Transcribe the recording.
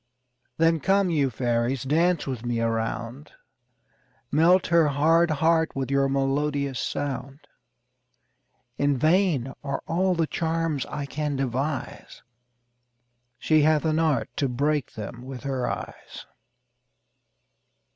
Then come, you fairies, dance with me a round; Melt her hard heart with your melodious sound. In vain are all the charms I can devise; She hath an art to break them with her eyes.